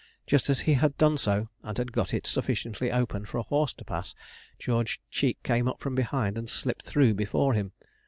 Just as he had done so, and had got it sufficiently open for a horse to pass, George Cheek came up from behind, and slipped through before him.